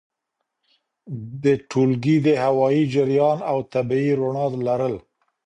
د ټولګي د هوايي جریان او طبیعي رؤڼا لرل!